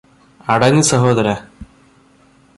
അടങ്ങ് സഹോദരാ